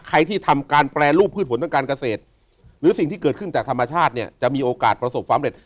ที่ทำการแปรรูปพืชผลทางการเกษตรหรือสิ่งที่เกิดขึ้นจากธรรมชาติเนี่ยจะมีโอกาสประสบความเร็จ